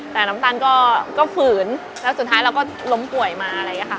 แต่น้ำตาลก็ฝืนแล้วสุดท้ายเราก็ล้มป่วยมา